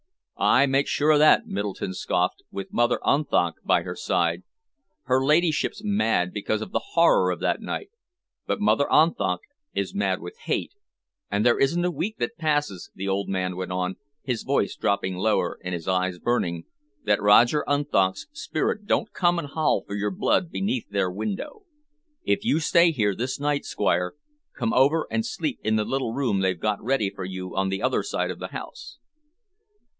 "Aye! Make sure of that," Middleton scoffed, "with Mother Unthank by her side! Her ladyship's mad because of the horror of that night, but Mother Unthank is mad with hate, and there isn't a week passes," the old man went on, his voice dropping lower and his eyes burning, "that Roger Unthank's spirit don't come and howl for your blood beneath their window. If you stay here this night, Squire, come over and sleep in the little room they've got ready for you on the other side of the house."